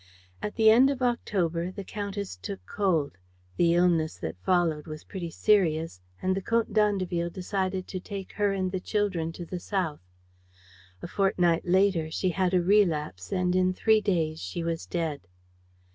At the end of October, the Countess took cold; the illness that followed was pretty serious; and the Comte d'Andeville decided to take her and the children to the south. A fortnight later she had a relapse; and in three days she was dead.